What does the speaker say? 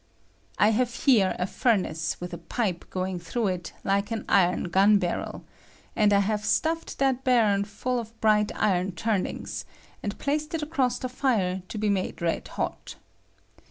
II have here a furnace with a pipe going through it like an iron gun barrel, and I have stuffed that barrel full of bright iron turnings, Emd placed it across the fire to be made red hot.